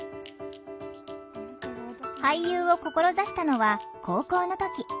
俳優を志したのは高校の時。